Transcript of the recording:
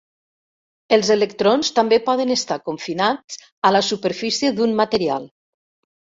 Els electrons també poden estar confinats a la superfície d'un material.